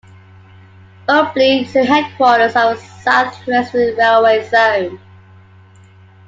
Hubli is the headquarters of the South Western Railway zone.